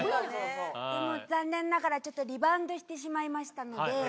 でも残念ながらちょっとリバウンドしてしまいましたので。